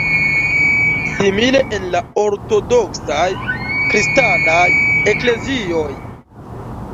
Simile en la ortodoksaj kristanaj eklezioj.